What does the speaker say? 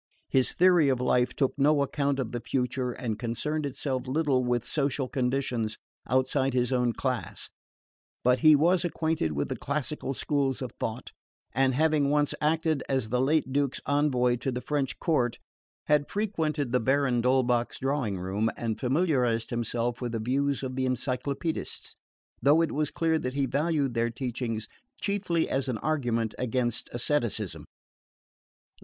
His theory of life took no account of the future and concerned itself little with social conditions outside his own class; but he was acquainted with the classical schools of thought, and, having once acted as the late Duke's envoy to the French court, had frequented the Baron d'Holbach's drawing room and familiarised himself with the views of the Encyclopaedists; though it was clear that he valued their teachings chiefly as an argument against asceticism.